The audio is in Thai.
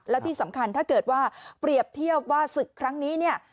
และที่สำคัญถ้าเกิดว่าเปรียบเทียบว่าศึกครั้งนี้เนี่ย